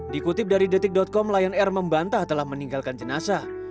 dikutip dari detik com lion air membantah telah meninggalkan jenazah